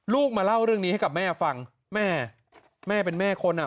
มาเล่าเรื่องนี้ให้กับแม่ฟังแม่แม่เป็นแม่คนอ่ะ